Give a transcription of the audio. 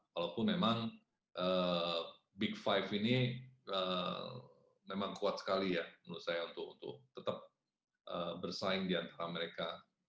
walaupun memang big five ini memang kuat sekali ya menurut saya untuk tetap bersaing di antara mereka